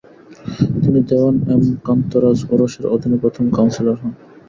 তিনি দেওয়ান এম কান্তরাজ উরস এর অধীনে প্রথম কাউন্সিলর হন।